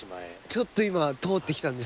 ちょっと今通ってきたんですけど。